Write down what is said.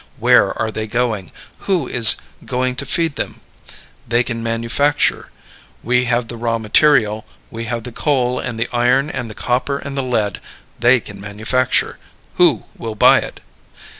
Where are they going? Who is going to feed them? They can manufacture. We have the raw material. We have the coal and the iron and the copper and the lead. They can manufacture. Who will buy it?